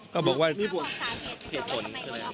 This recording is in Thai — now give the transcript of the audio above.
ก็บอกว่าภาร์ษาผิดคน